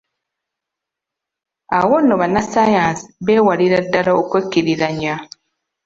Awo nno bannassaayansi beewalira ddala okwekkiriranya.